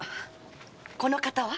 この方は？